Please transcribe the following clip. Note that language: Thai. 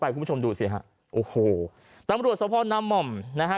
ไปคุณผู้ชมดูสิฮะโอ้โหตำรวจสวนพ่อน้ำม่อมนะฮะ